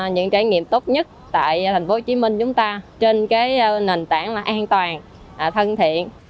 những trải nghiệm tốt nhất tại tp hcm chúng ta trên cái nền tảng là an toàn thân thiện